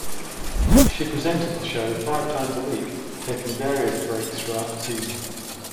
She presented the show five times a week taking various breaks throughout the season.